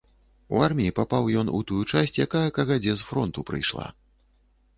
У арміі папаў ён у тую часць, якая кагадзе з фронту прыйшла.